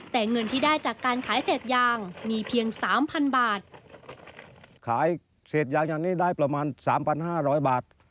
แต่เงินที่ได้จากการขายเศษยางมีเพียงสามพันบาทขายเศษยางอย่างนี้ได้ประมาณสามพันห้าร้อยบาท